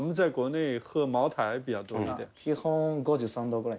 基本は５３度ぐらい。